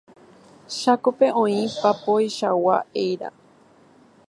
Chákope oĩ papoichagua eíra.